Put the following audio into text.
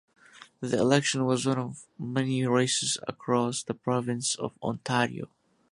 The election was one of many races across the province of Ontario.